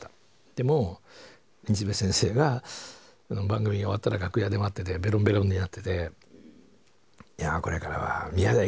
でも西部先生が番組終わったら楽屋で待っててベロンベロンになってて。